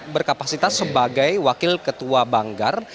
berkapasitas sebagai wakil ketua banggar